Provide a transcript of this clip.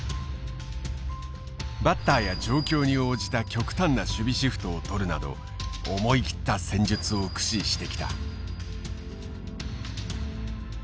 バッターや状況に応じた極端な守備シフトをとるなど思い切った戦術を駆使してきた。